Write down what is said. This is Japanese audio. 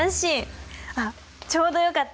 あっちょうどよかった！